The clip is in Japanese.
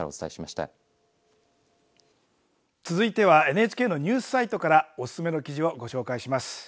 続いてはＮＨＫのニュースサイトからおすすめの記事をご紹介します。